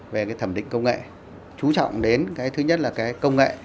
về thẩm định công nghệ chú trọng đến thứ nhất là công nghệ